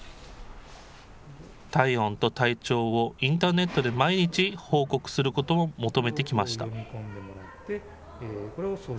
体温と体調をインターネットで毎日、報告することも求めてきました。